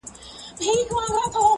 شاعر: خلیل جبران -